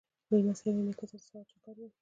لمسی له نیکه سره د سهار چکر وهي.